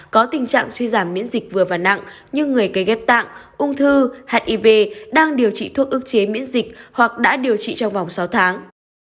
có tình trạng suy giảm miễn dịch vừa và nặng như người cấy ghép tạng ung thư hiv đang điều trị thuốc ước chế miễn dịch hoặc đã điều trị trong vòng sáu tháng